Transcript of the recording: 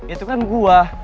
itu kan gue